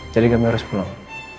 jadi kami harus pulang